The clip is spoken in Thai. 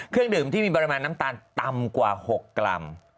เครื่องดื่มที่มีปริมาณน้ำตาลต่ำกว่า๖กรัม